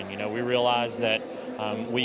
kami menyadari bahwa